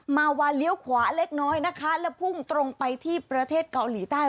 มาวาเลี้ยวขวาเล็กน้อยนะคะแล้วพุ่งตรงไปที่ประเทศเกาหลีใต้